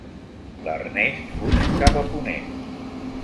L'Ernest fuig cap a Ponent.